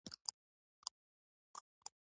موږ ولې شاته یو